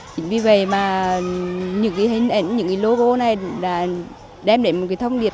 chính vì vậy mà những logo này đem đến một thông điệp